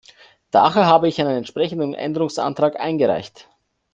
Daher habe ich einen entsprechenden Änderungsantrag eingereicht.